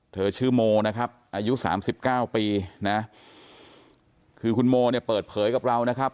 เธอชื่อโมนะครับอายุสามสิบเก้าปีนะคือคุณโมเนี่ยเปิดเผยกับเรานะครับ